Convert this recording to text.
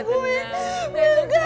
bukan aku yang nangguin